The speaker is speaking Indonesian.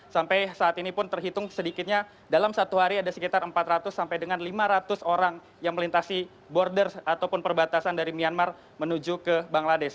sampai saat ini pun terhitung sedikitnya dalam satu hari ada sekitar empat ratus sampai dengan lima ratus orang yang melintasi border ataupun perbatasan dari myanmar menuju ke bangladesh